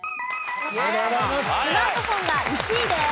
スマートフォンは１位です。